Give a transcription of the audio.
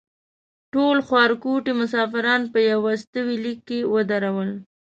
ټول خوارکوټي مسافران په یوستوي لیک کې ودرول.